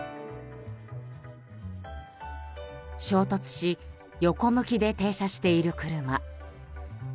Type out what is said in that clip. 衝突し横向きで停車している車。